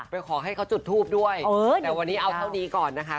ขอให้เขาจุดทูปด้วยแต่วันนี้เอาเท่านี้ก่อนนะคะ